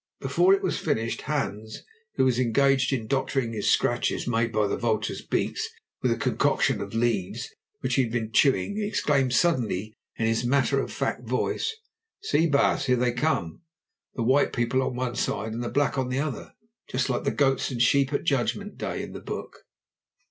Before it was finished Hans, who was engaged in doctoring his scratches made by the vultures' beaks with a concoction of leaves which he had been chewing, exclaimed suddenly in his matter of fact voice: "See, baas, here they come, the white people on one side and the black on the other, just like the goats and the sheep at Judgment Day in the Book."